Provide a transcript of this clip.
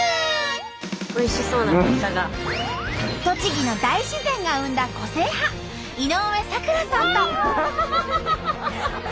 栃木の大自然が生んだ個性派井上咲楽さんと。